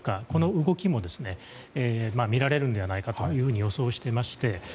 この動きも見られるのではないかと予想していまして。